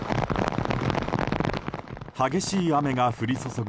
激しい雨が降り注ぐ